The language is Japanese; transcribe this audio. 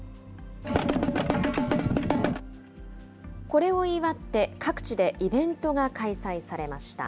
これを祝って、各地でイベントが開催されました。